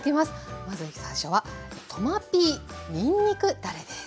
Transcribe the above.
まず最初はトマピーにんにくだれです。